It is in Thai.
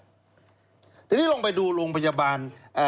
จริงแหล่งไปดูโรงพยาบาล